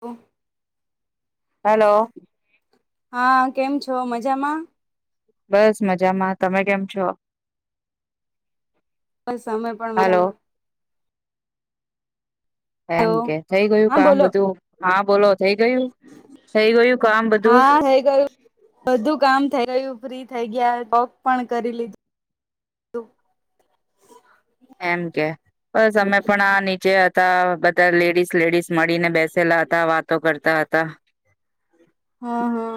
ઓ. Hello. હા કેમ છો મજામાં? બસ મજામાં તમે કેમ છો? બસ અમે પણ હાલો મજામાં. એમ હલો કે થઈ ગયું હા કામ બોલો બધું હા બોલો થઈ ગયું. થઈ ગયું કામ બધું હા થઈ ગયું બધું કામ થઇ ગયું ફ્રી થઈ ગયા. પક પણ કરી લીધું બ અમે પણ આ નીચે હતા બધા લેડીસ લેડીઝ મળીને બેસેલા હતા વાતો કરતા ખાતા હા હા.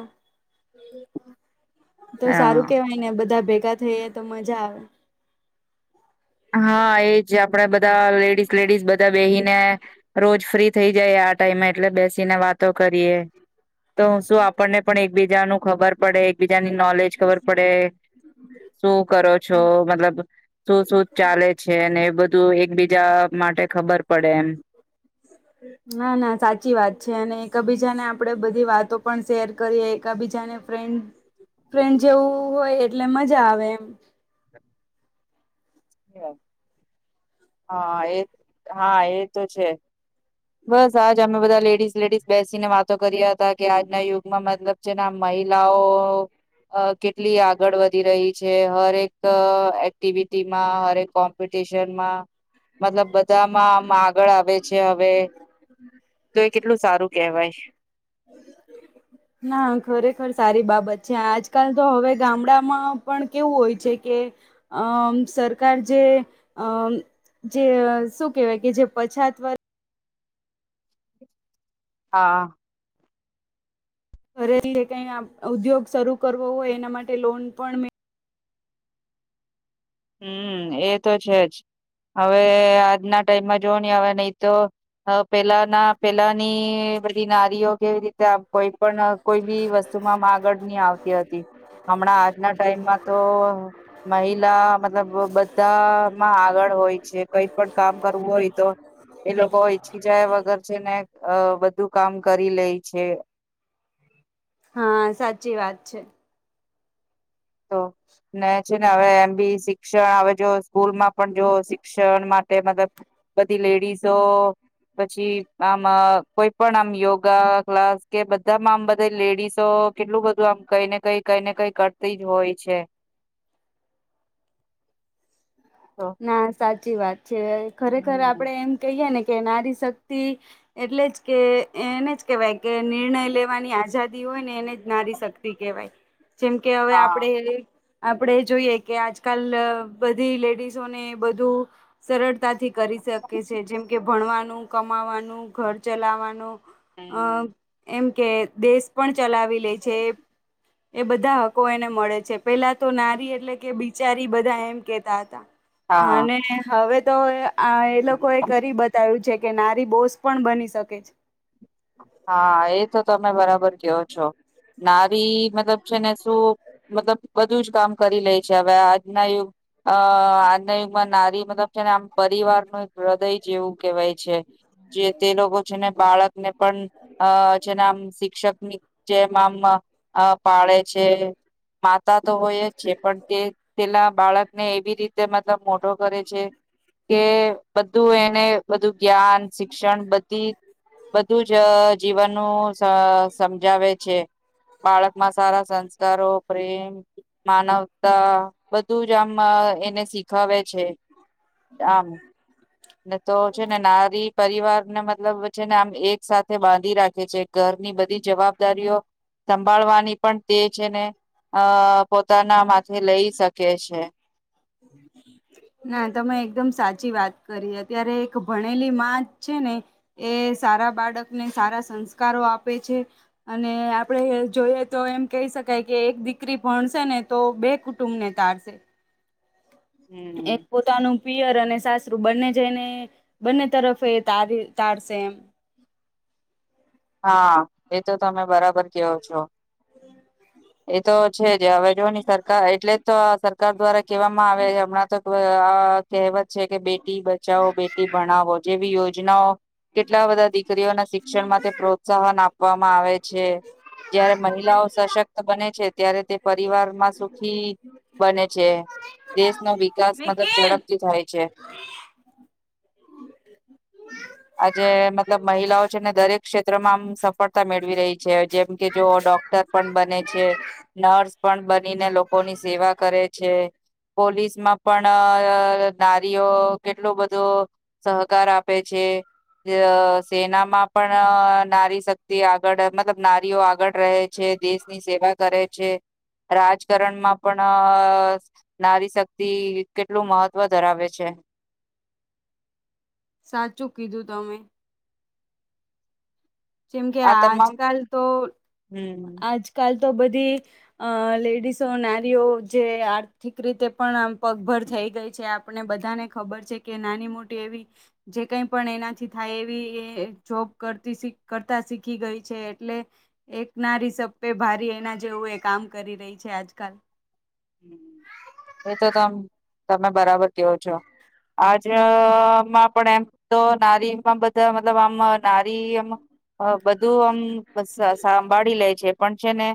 તો સારું હ કેવાય ને બધા ભેગા થઈ તો મજા આવે. હા એજ આપડે બધા લેડીઝ લેડીઝ બધ ધા બેસી ને રોજ ફ્રી થઈ જાય આ ટાઈમ એટલે બેસીને વાતો કરીએ. તો હું શું આપણને પણ એકબીજા ન ખબર પડે એકબીજ તની નોલેજ ખબર પડે શું કરો છો મતલબ શું શું ચાલે છે એ બધું એકબીજા માટે ખબર પડે એમ. ના ના સાચી વાત છે અને કબીજ બીજાને આપડે બધી વાતો પણ શેર કરીએ એક બીજાને ફ્રેન્ડ ફ્રેન્ડ જેવું હોય એટલે મજા આવે એમ. [unintelligible] હા એ હા એ તો છે. બસ આજ અમે બધા લેડીઝ લેડીસ બેસીને વાતો કર્યા હતા કે આજના યુગમાં મતલબ જેના મહિલાઓ અ કેટલી આગળ વધી રહી છે હરેક એક્ટિવિટીમાં હરેક કોમ્પિ ટીશનમાં મતલબ બધામાં આમ આગળ આવે છે હવે. તો એ કેટલું સારું કહેવાય. ના ખરેખર સારી બાબત છે આજકાલ તો હવે ગામડામાં પણ કેવું હોય છે કે અમ સરકાર જે અમ જે શું કેહેવાય કે જે પછાત વર હા. ઘરેથી કઈ ઉદ્યોગ શરૂ કરવો હોય એના માટે લોન પણ મે હમ્મ એ તો છે જ. હવે આજના ટાઈમમાં જોવ નહી હવે નહી તો પેલાના પેલા ની બધી નારીઓ કેવી રીતે કોઈ પણ કોઈ બી વસ્તુમાં મા આગળ નની આવતી હતી. હમણાં આજના ટાઈમમાં તો મહિલા મતલબ બધામાં આગળ હોય છે કઈ પણ કામ કરવું હોય તો એ લોકો ઈછી જાય વગર છે ને બધું કામ કરી લે છે. હા સાચી વાત છે. તો ને છે ને હવે એમ બી શિક્ષણ આવે જો સ્કૂલમાં પણ જો શિક્ષણ માટે મતલબ બધી લેડીઝો પછી આમ કોઈ પણ આમ યોગા ક્લાસ કે બધામાં આમ બધા લેડીસો તો કેટલું બધું આમ કઈને કઈ કઈને કઈ ક તી જ હોય છે. તો ના સાચી વાત છે ખરેખર હમ આપડે એમ કહીય ને કે નારી શક્તિ એટલે જ કે એને જ કેવાય કે નિર્ણય લેવાની આઝાદી હોય ને એને જ નારી શક્તિ કહેવાય. જેમ કે હવે હા આપણેે આપડે જોઈએ કે આજકાલ બધી લેડીઝ જોને બુંધુ સરળતાથી કરી શકે છે જેમકે ભણવાનું કમાવાનું ચલાવાનું અ હમ એમ કે દેશ પણ ચલાવી લે છે. એ બધા હકો એને મળે છે પેલા તો નારી એટલે કે બિચારી બધા એમ કેતા હતા. હા અને હવે તો એ લોકો હા એ કરી બતાવ્યું છે. કે નારી બોસ પણ બની શકે છે. હા એ તો તમે બરાબર કેવો છો નારી મતલબ છે ને શું મતલબ બધું જ કામ કરી લે છે, હવે આજના યુગ અ આજના યુગમાં નારી મતલબ છેને આમ પરિવાર ન એક હૃદય જેવું કેહેવાય છે. જે તે લોકો છે ને બાળકને પણ અ જેના આમ શિક્ષકની જેમ આમ પાળે છે. માતા તો હોય જ છે, પણ તે પેલા બાળકને એવી રીતે મતલબ મો ટો કરે છે. કે બધું એને બધું જ્ઞાન શિક્ષણ બધી બ સ સમજાવે છે. બાળકમાં સારા સંસ્કારો પ્રેમ માનવતા બધું જ આમ અ એને શીખાવેે છે, આમ ને તો છે, ને નારી પ રિવારને મતલબ છે ને આમ એક સાથે બાંધી રાખે છે, ઘરની બધી જવાબદારીઓ સંભાળવાની પણ તે છે ને અ પોતાના માથે લઈ શકે છે. ના તમે એકદમ સાચી વાત કરી અત્યારે એક ભણેલી માં છે ને એ સારા બાળકને સારા સંસ્કારો આપે છે, અને આપણે જોઈએ તો એમ કેય શકાય કે એક દીકરી ભણશે ને તો બે કુટુંબને તારશે હમ એક પોતાનું પિયર અને સાસરુ બંને જઈને બંને તરફ એ તારી તારશે એમ હા, એ તો તમે બરાબર કેવો છો હ એ તો છે જ હવે જો ની સરકાર એટલે જ તો સરકાર દ્વારા કેવામાં આવે હમણાં તો આ કહેવત છે કે બેટી બચાવો બેટી ભણાવો જેવી યોજનાઓ કેટલા બધા દીકરીઓના શિક્ષણ માટે પ્રોત્સાહન આપવામાં આવે છે. જયારે મહિલાઓ સશક્ત બને છે, ત્યારે તે પરિવારમાં સુખી બને છે, દેશનો વિકાસ મતલબ ઝડપથી થાય છે. આજે મતલબ મહિલાઓ છે ને દરેક ક્ષેત્રમાં આમ સફળતા મેળવી રહી છે, જેમ કે જો ડોક્ટર પણ બને છે. નર્સ પણ બનીને લોકોની સેવા કરે છે. પોલીસમાં પણ નારીઓ કેટલુ બધું સહકાર આપે છે. અ સેનામાં પણ નારી શક્તિ આગળ મતલબ નારીઓ આગળ રહે છે, દેશની સેવા કરે છે. રાજકારણમાં પણ અ નારી શક્તિ કેટલું મહત્વ ધરાવે છે. [inaudible] સાચું કીધું તમે જેમ કે આ તમામ આજકાલ તો હમ આજકાલ તો બધી અ લેડીસો નારીઓ જે આર્થિક રીતે પણ આમ પગભર થઈ ગઈ છે, આપને બધાને ખબર છે કે નાની મોટી એવી જે કઈ પણ એનાથી થાય એવી એ જોબ કરતી શીખ કરતા શીખી ગઈ છે, એટલે એક નારી સબપે ભારી એના જેવું એ કામ કરી રહી છે. તે આજકાલ હમ એ તો તમ તમે બરાબર કેવો છો આજમાં પણ એમ તો નારીમાં બધા મતલબ આમ નારીમ હ બધું આમ સા સાંભાળી લે છે, પણ છે ને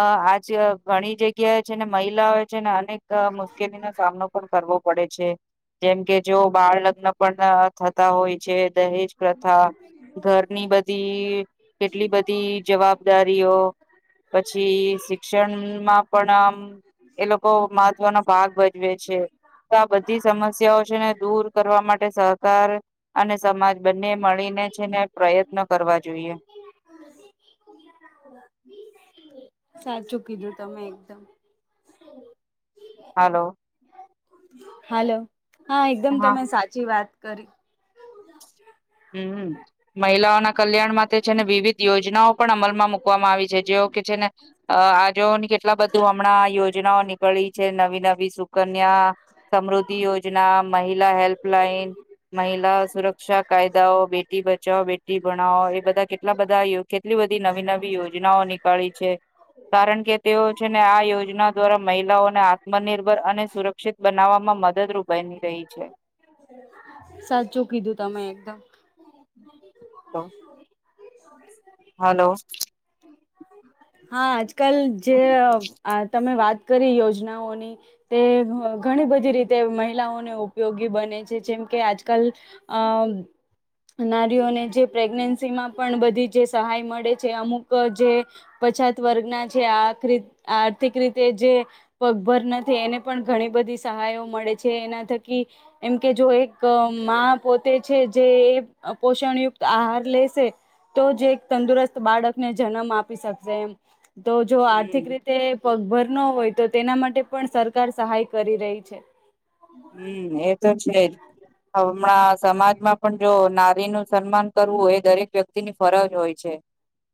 અ આજ ઘણી જગ્યા એ છે ને મહિલાઓ છે ને અનેક મુશ્કેલીનો સામનો પણ કરવો પડે છે. જેમ કે જો બાળ લગ્ન પણ થતા હોય છે, દહેજ પ્રથા ઘરની બધી કેટલી બધી જવાબદારીઓ પછી શિક્ષનમાં પણ આમ એ લોકો મહત્વનો ભાગ ભજવે છે. તો આ બધી સમસ્યાઓ છે ને દૂર કરવા માટે સહકાર અને સમાજ બંને મળીને છે ને પ્રયત્ન ન કરવા જોઈએ સાચું કીધું તમે એકદમ હાલો હાલો હા એકદમ તમે સાચી વાત કરી હમ્મ મહિલાઓના કલ્યાણ માટે છે ને વિવિધ યોજનાઓ પણ અમલમાં મુૂકવામાં આવી છે જે કે છે ને અ આજો કેટલા બધું હમણાં યોજનાઓ નીકળી છે નવી નવી સુકન્યા સમૃદ્ધિ યોજના મહિલા હેલ્પલાઇન મહિલા સુરક્ષા કાયદાઓ બેટી બચો બેટી ભણાવો એ બધા કેટલા બધા કેટલી બધી નવી નવી યોજનાઓ નીકાળી છે કારણ કે તેઓ છેને આ યોજના દ્વારા મહિલાઓને આત્મનિર્ભર અને સુરક્ષિત બનાવવામાં મદદરૂપ બની રહી છે સાચું કીધું તમે એકદમ હા હલો હા આજકાલ જે તમે વાત કરી યોજનાઓની તે ઘણી બધી રીતે મહિલાઓને ઉપયોગી બને છે જેમ કે અજકલ અ નારીઓને જે પ્રેગ્નેન્સીમાં પણ બધી જે સહાય મળે છે અમુક જે પછાત વર્ગના જે આ આર્થિક રીતે જે પગભર નથી એને પણ ઘણી બધી બધી સહાયો મળે છે એના થકી એમ કે જો એક માં પોતે છે જે પોષણયુક્ત આહાર લેશે તો જે એક તંદુરસ્ત બાળકને જન્મ આપી શકેશે તો જો હમ આર્થિક રીતે પગભર ન હોય તો તેના માટે પણ સરકાર સહાય કરી રહી છે હમ્મ એ તો છેજ હમણાં સમાજમાં પણ જો નારી નું સન્માન કરવું એ દરેક વ્યક્તિ ની ફરજ હોય છે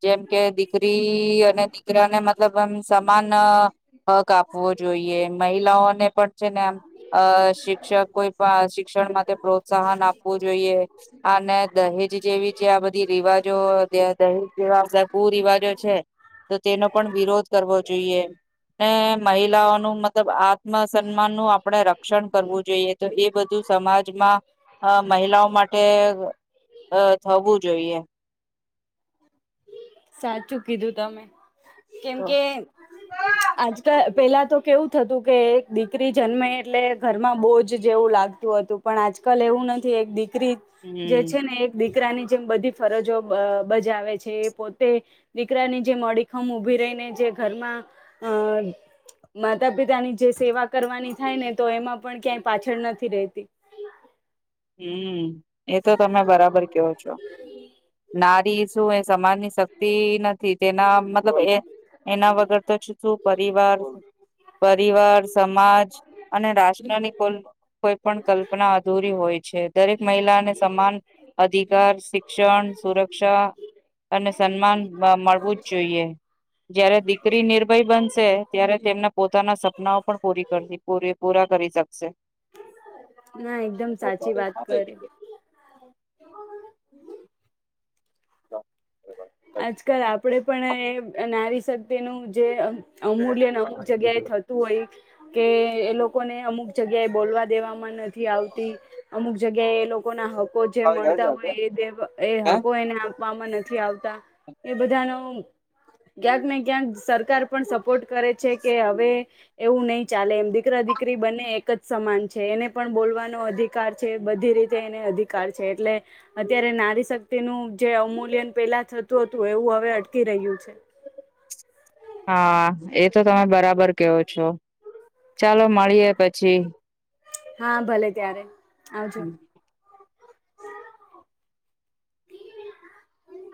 જેમ કે દીકરી અને દીકરાને મતલબમ સમાન હક આપવો જોઈએ મહિલાઓને પણ છે ને આમ અ શિક્ષક કોઈ પણ શિક્ષણ માટે પ્રોત્સાહન આપવું જોઈએ અને દહેજ જેવી છે આ બધી રિવાજો દહીજ જેવા બધા કુ રિવાજો છે તો તેનો પણ વિરોધ કરવો જોઈએ ને મહિલાઓ ન મતલબ આત્મ સન્માન નું આપણે ર રક્ષણ કરવું જોઈએ તો એ બધું સમાજમાં મહિલાઓ માટે અ થવું જોઈએ સાચું કીધું તમે કેમ તો કે આજકાલ પેલા તો કેવું થતું કે એક દીકરી જન્મે એટલે ઘરમાં બોજ જેવું લાગતું હતું પણ આ આજકાલ એવું નથી એક દીક રી જે હમ છે ને એક દીકરાની જેમ બધી ફરજો બ બજાવે છે એ પો તે દીકરાની જે મોડીખમ ઉભી રહીને જે ઘરમાં અ માતા-પિતા ની જે સેવા કરવાની થાય ને તો એમાં પણ ક્યાંય પાછળ નથી રેતી. હમ્મ એ તો તમે બરાબર કેવો છો. નારી શું એ સમાજની શક્તિ નથી? તેના મતલબ એ એના વગર તો છૂટું પરિવાર પરિવાર, સમાજ અને રાષ્ટ્રની કોલ કોઈ પણ કલ્પના અધૂરી હોય છે દરેક મહિલાને સમાન અધિકાર, શિક્ષણ, સુરક્ષા અને સન્માન બા મળવું જ જોઈએ. જયારે દીકરી નિર્ભય બનશે ત્યારે તેમના પોતાના સપનાઓ પણ પૂરી કરતી પુરી પૂરા કરી શકશે. ના એકદમ સાચી વાત કરી. તો. આજકાલ આપડે પણ એ નારી શક્તિનું જે અ અમૂલ્ય ને અમુક જગ્યા એ થતું હોય કે એ લોકોને અમુક જગ્યા એ બોલવા દેવામાં નથી આવતી અમુક જગ્યાએ એ લોકો ના હ કો જે મળતા હોય એ દેવ એ હકો એને આપવામાં નથી આવતા એ બધા નો ક્યાંક ને ક્યાંક સરકાર પણ સપોર્ટ કરે છે, કે હવે એવું નહી ચાલે એમ દીકરા દીકરી બને એક જ સમાન છે, એને પણ બોલવાનો અધિકાર છે, બધી રીતે એને અધિકાર છે, એટલે એ અત્યારે નારી શક્તિનું જે અવમૂલ્યન પેલા થ તું હતું એવું અવે અટકી રહ્યું છે. હા, એ તો તમે બરાબર કેવો છો ચાલો મળીએે પછી હા, ભલે તયારે આવજો હમ.